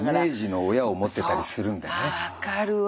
分かるわ。